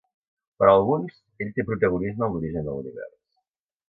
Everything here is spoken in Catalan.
Per alguns, ell té protagonisme en l'origen de l'univers.